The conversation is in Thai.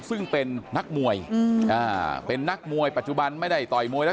ซึ่งเป็นนักมวยอืมอ่าเป็นนักมวยปัจจุบันไม่ได้ต่อยมวยแล้ว